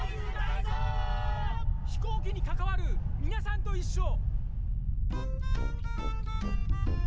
飛行機にかかわるみなさんといっしょ！